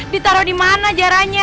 ditaruh di mana jaranya